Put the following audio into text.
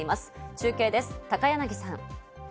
中継です、高柳さん。